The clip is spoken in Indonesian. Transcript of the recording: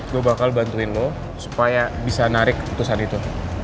gue bakal bantuin lo supaya bisa narik utusan itu